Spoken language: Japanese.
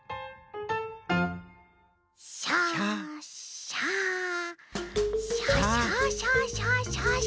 シャシャシャシャシャシャ。